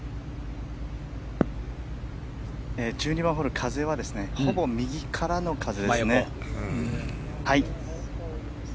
１２番ホール風は、ほぼ右からの風です。